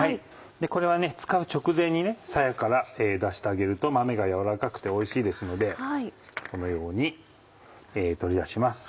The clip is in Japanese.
これは使う直前にさやから出してあげると豆が柔らかくておいしいですのでこのように取り出します。